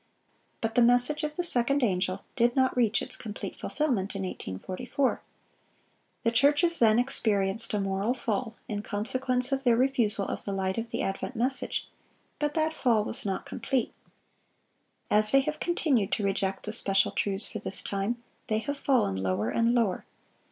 But the message of the second angel did not reach its complete fulfilment in 1844. The churches then experienced a moral fall, in consequence of their refusal of the light of the advent message; but that fall was not complete. As they have continued to reject the special truths for this time, they have fallen lower and lower.